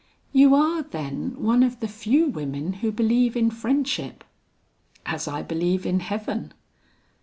"You are, then, one of the few women who believe in friendship?" "As I believe in heaven."